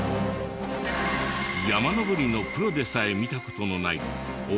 山登りのプロでさえ見た事のないすごい道。